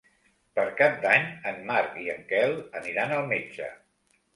Per Cap d'Any en Marc i en Quel aniran al metge.